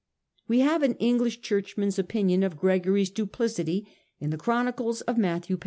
We have an English churchman's opinion of Gregory's duplicity in the chronicle of Matthew Paris.